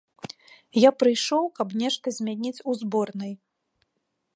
Я прыйшоў, каб нешта змяніць у зборнай.